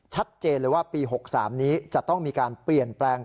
ชัดเจนเลยว่าปี๖๓นี้จะต้องมีการเปลี่ยนแปลง